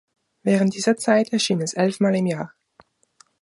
Während dieser Zeit erschien es elfmal im Jahr.